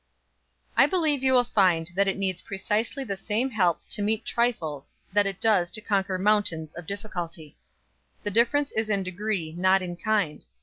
"I believe you will find that it needs precisely the same help to meet trifles that it does to conquer mountains of difficulty. The difference is in degree not in kind.